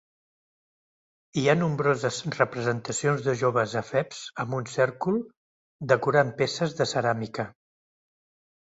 Hi ha nombroses representacions de joves efebs amb un cèrcol, decorant peces de ceràmica.